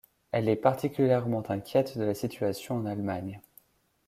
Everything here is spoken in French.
Elle est particulièrement inquiète de la situation en Allemagne.